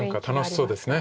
そうですね。